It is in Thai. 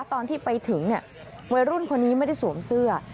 ตอนที่ไปถึงวัยรุ่นคนนี้ไม่ได้สวมเสื้อ